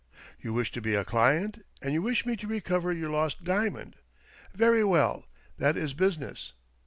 You wish to be a client, and you wish me to recover your lost diamond. Very well, that is business.